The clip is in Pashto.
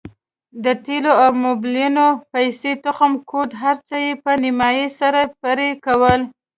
د تېلو او موبلينو پيسې تخم کود هرڅه يې په نيمايي سره پرې کول.